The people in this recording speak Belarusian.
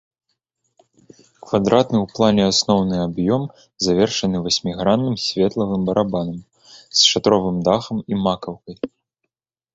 Квадратны ў плане асноўны аб'ём завершаны васьмігранным светлавым барабанам з шатровым дахам і макаўкай.